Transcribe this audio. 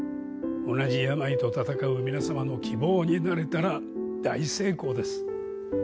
同じ病と闘う皆様の希望になれたら大成功です。